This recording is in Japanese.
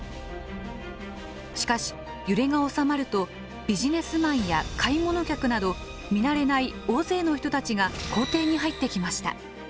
しかし揺れが収まるとビジネスマンや買い物客など見慣れない大勢の人たちが校庭に入ってきました。